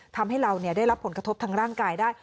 ทำให้เราได้รับผลกระทบทางร่างกายได้